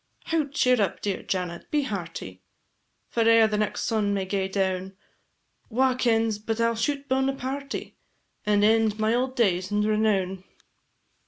"Hout, cheer up, dear Janet, be hearty, For ere the next sun may gae down, Wha kens but I 'll shoot Bonaparte, And end my auld days in renown?"